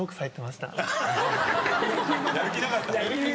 やる気なかった？